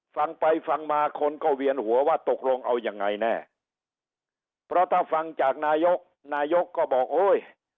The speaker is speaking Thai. ฟังไปฟังมาคนก็เวียนหัวว่าตกลงเอายังไงแน่เพราะถ้าฟังจากนายกนายกก็บอกโอ้ย